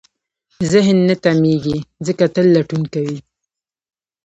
ذهن نه تمېږي، ځکه تل لټون کوي.